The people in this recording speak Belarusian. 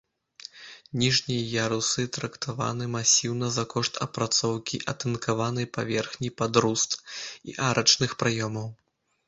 Ніжнія ярусы трактаваны масіўна за кошт апрацоўкі атынкаванай паверхні пад руст і арачных праёмаў.